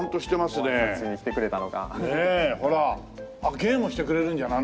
芸もしてくれるんじゃない？